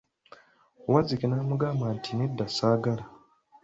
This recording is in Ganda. Wazzike n'amugamba nti, nedda saagala.